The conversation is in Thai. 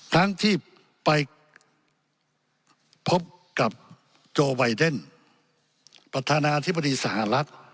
ทั้งที่ไปพบกับโจไวเดนประธานาธิบดีสหรัฐ